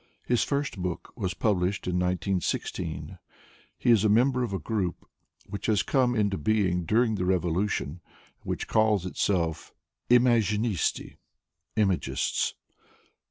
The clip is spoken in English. His first book was pub lished in 1916. He is a member of a group which has come into being during the revolution and which calls itself imazhinisty " (imagists).